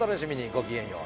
ごきげんよう。